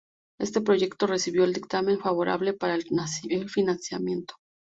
Este proyecto recibió el dictamen favorable para el financiamiento.